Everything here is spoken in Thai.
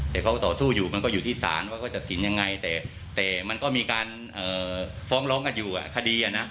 แต่เขาต่อสู้อยู่มันก็อยู่ที่ศาลว่าเขาตัดสินยังไงแต่มันก็มีการฟ้องร้องกันอยู่คดี